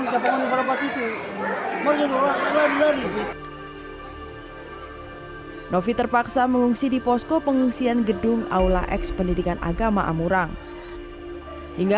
the movie terpaksa mengungsi di posko pengungsian gedung aula eks pendidikan agama amurang hingga